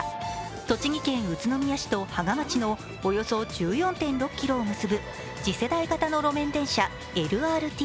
栃木県宇都宮市と芳賀町のおよそ１４．６ｋｍを結ぶ次世代型路面電車・ＬＲＴ。